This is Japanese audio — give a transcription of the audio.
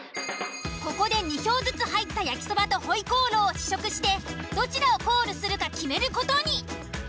ここで２票ずつ入った焼そばと回鍋肉を試食してどちらをコールするか決める事に。